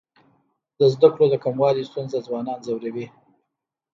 د زده کړو د کموالي ستونزه ځوانان ځوروي.